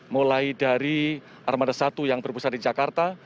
mulai dari armada satu yang berpusat di jakarta